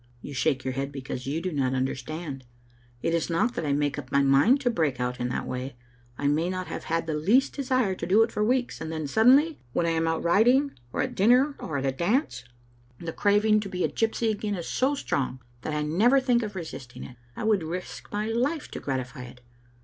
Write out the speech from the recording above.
You shake your head because you do not understand. It is not that I make up my mind to break out in that way ; I may not have had the least desire to do it for weeks, and then suddenly, when I am out riding, or at dinner, or at a dance, the craving to be a gypsy again is so strong that I never think of resisting it ; I would risk my life to gratify it.